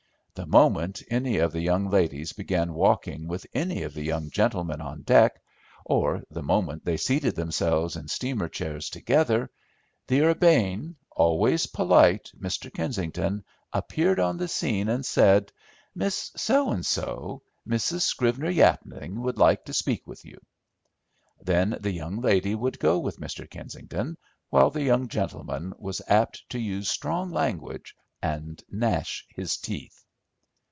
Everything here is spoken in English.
The moment any of the young ladies began walking with any of the young gentlemen on deck, or the moment they seated themselves in steamer chairs together, the urbane, always polite Mr. Kensington appeared on the scene and said, "Miss So and So, Mrs. Scrivener Yapling would like to speak with you." Then the young lady would go with Mr. Kensington, while the young gentleman was apt to use strong language and gnash his teeth.